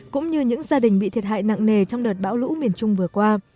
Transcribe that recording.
cũng như những gia đình bị thiệt hại nặng nề trong đợt bão lũ miền trung vừa qua